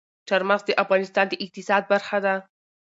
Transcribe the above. چار مغز د افغانستان د اقتصاد برخه ده.